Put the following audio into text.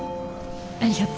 ありがと。